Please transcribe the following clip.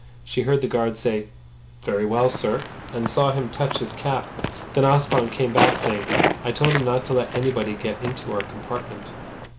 She heard the guard say "Very well, sir," and saw him touch his cap. Then Ossipon came back, saying: "I told him not to let anybody get into our compartment."